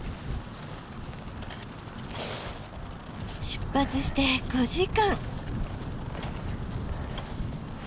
出発して５時間。